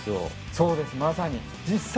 そうですまさに。